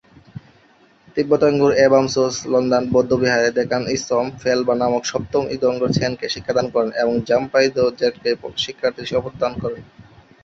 তিব্বতে ঙ্গোর-এ-বাম-ছোস-ল্দান বৌদ্ধবিহারে দ্কোন-ম্ছোগ-'ফেল-বা নামক সপ্তম ঙ্গোর-ছেনকে শিক্ষাদান করেন এবং 'জাম-পা'ই-র্দো-র্জেকে শিক্ষার্থীর শপথ দান করেন।